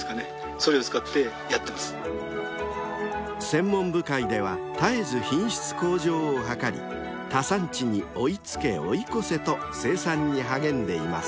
［専門部会では絶えず品質向上を図り他産地に追い付け追い越せと生産に励んでいます］